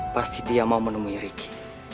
pasti dia mau menemui riki